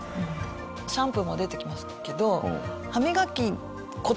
シャンプーも出てきましたけど。